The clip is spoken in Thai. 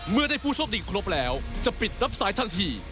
เมื่อได้ผู้โชคดีครบแล้วจะปิดรับสายทันที